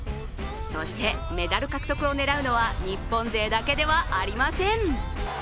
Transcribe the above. そして、メダル獲得を狙うのは日本勢だけではありません。